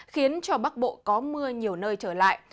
khiến cho bắc bộ có mưa nhiều nơi trở lại